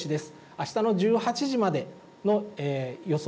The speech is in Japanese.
あしたの１８時までの予想